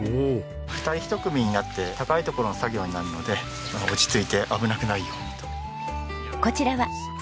２人１組になって高い所の作業になるので落ち着いて危なくないようにと。